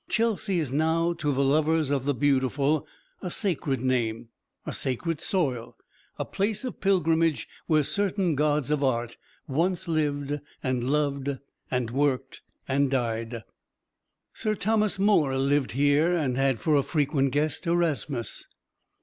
Chelsea is now to the lovers of the Beautiful a sacred name, a sacred soil; a place of pilgrimage where certain gods of Art once lived, and loved, and worked, and died. Sir Thomas More lived here and had for a frequent guest Erasmus.